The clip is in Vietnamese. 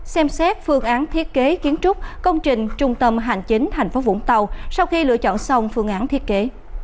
xem xét phương án thiết kế kiến trúc công trình trung tâm hành chính thành phố vũng tàu sau khi lựa chọn xong phương án thiết kế